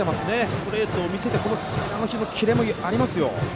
ストレートを見せてからのスライダーのキレもありますよ。